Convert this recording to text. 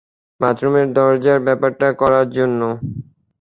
বাথরুমের দরজার ব্যাপারটা করার জন্যে।